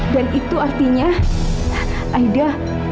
dan itu artinya aida